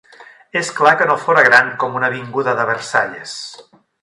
És clar que no fóra gran com una avinguda de Versalles